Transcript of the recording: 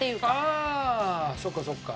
あそっかそっか。